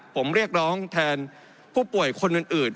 ผมเรียกร้องแทนผู้ป่วยคนอื่น